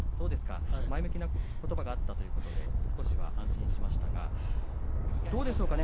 前向きなことばだったということで少しは安心しましたがどうですかね